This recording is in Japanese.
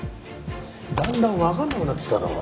だんだんわかんなくなってきたろ。